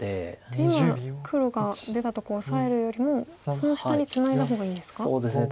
じゃあ今黒が出たところをオサえるよりもその下にツナいだ方がいいんですか？